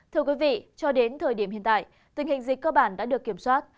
thưa quý vị cho đến thời điểm hiện tại tình hình dịch cơ bản đã được kiểm soát